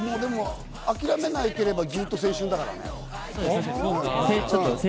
諦めなければ、ずっと青春だからね。